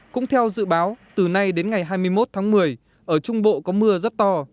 cũng theo dự báo từ nay đến ngày hai mươi một tháng một mươi ở trung bộ có mưa rất to